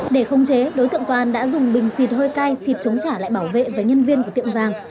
để không chế đối tượng quang đã dùng bình xịt hơi cay xịt chống trả lại bảo vệ với nhân viên của tiệm vàng